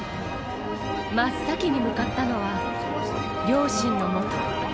真っ先に向かったのは、両親のもと。